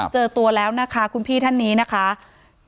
เจอตัวแล้วคุณพี่ท่านนี้โภกเรียน